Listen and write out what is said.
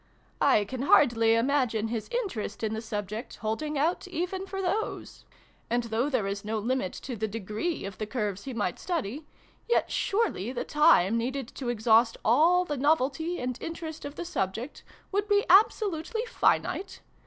I can hardly imagine his interest in the subject holding out even for those ; and, though there is no limit to the degree of the curves he might study, yet surely the time, needed to exhaust all the novelty and interest of the subject, would be absolutely finite